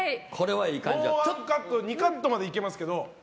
もう１カット２カットまでいけますけど。